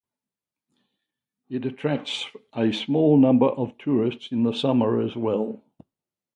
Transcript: It attracts a small number of tourists in the summer as well.